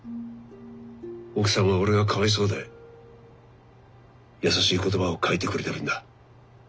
奥さんは俺がかわいそうで優しい言葉を書いてくれてるんだ。